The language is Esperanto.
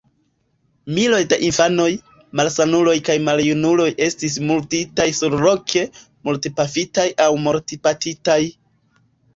Miloj da infanoj, malsanuloj kaj maljunuloj estis murditaj surloke: mortpafitaj aŭ mortbatitaj.